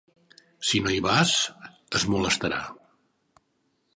Si no hi vas, es molestarà.